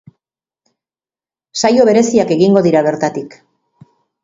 Saio bereziak egingo dira bertatik.